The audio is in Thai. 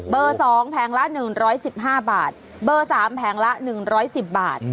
เบอร์๒แพงละ๑๑๕บาทเบอร์๓แพงละ๑๑๐บาท